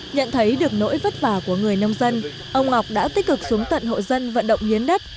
nhận thấy được nỗi vất vả của người nông dân ông ngọc đã tích cực xuống tận hộ dân vận động hiến đất